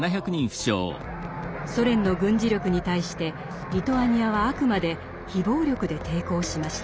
ソ連の軍事力に対してリトアニアはあくまで非暴力で抵抗しました。